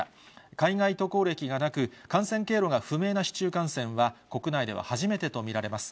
海外渡航歴がなく、感染経路が不明な市中感染は国内では初めてと見られます。